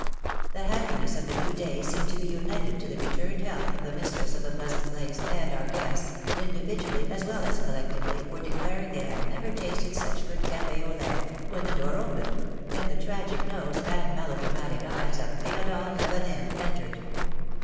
The happiness of the new day seemed to be united to the returned health of the mistress of the pleasant place, and our guests, individually as well as collectively, were declaring they had never tasted such good cafe au laity when the door opened, and the tragic nose and melodramatic eyes of Theodore Lavenel entered.